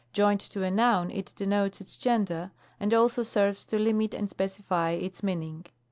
Joined to a noun, it denotes its gender, and also serves to limit and specify its meaning.